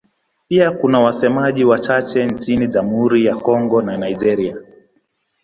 Pia kuna wasemaji wachache nchini Jamhuri ya Kongo na Nigeria.